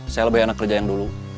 saya lebih enak kerja yang dulu